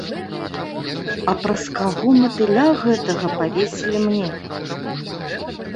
А праз каго матыля гэтага павесілі мне?